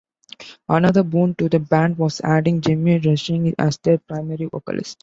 Another boon to the band was adding Jimmy Rushing as their primary vocalist.